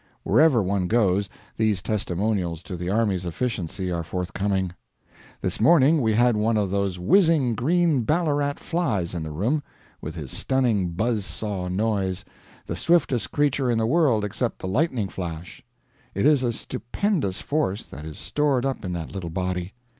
Wherever one goes, these testimonials to the Army's efficiency are forthcoming .... This morning we had one of those whizzing green Ballarat flies in the room, with his stunning buzz saw noise the swiftest creature in the world except the lightning flash. It is a stupendous force that is stored up in that little body.